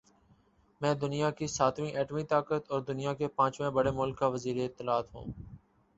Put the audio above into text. میں دنیا کی ساتویں ایٹمی طاقت اور دنیا کے پانچویں بڑے مُلک کا وزیراطلاعات ہوں